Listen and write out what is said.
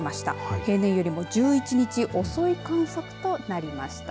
平年より１１日遅い観測となりました。